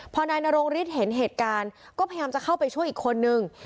พอนายนรงฤทธิ์เห็นเหตุการณ์ก็พยายามจะเข้าไปช่วยอีกคนนึง